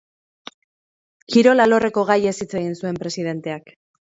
Kirol alorreko gaiez hitz egin zuen presidenteak.